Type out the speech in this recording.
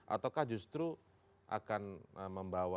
ataukah justru akan membawa dampak yang sebaliknya